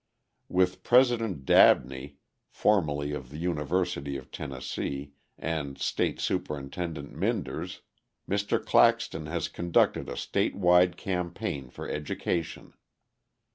With President Dabney, formerly of the University of Tennessee and State Superintendent Mynders, Mr. Claxton has conducted a state wide campaign for education.